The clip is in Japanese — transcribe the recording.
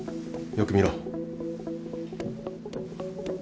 よく見ろ。